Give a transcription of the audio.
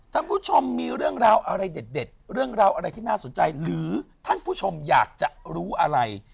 ท่านผู้ชมมีเรื่องราวอะไรเด็ดเรื่องราวอะไรที่น่าสนใจหรือท่านผู้ชมอยากจะรู้อะไร